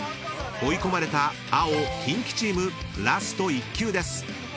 ［追い込まれた青キンキチームラスト１球です］